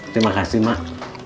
terima kasih mak